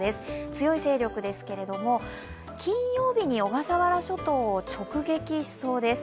強い勢力ですけれども、金曜日に小笠原諸島を直撃しそうです。